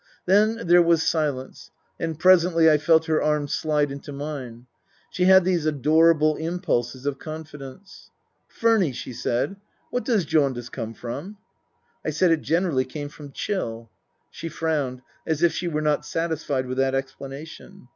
Then there was silence, and presently I felt her arm slide into mine (she had these adorable impulses of confidence). " Furny," she said, " what does jaundice come from ?" I said it generally came from chill. She frowned, as if she were not satisfied with that explanation.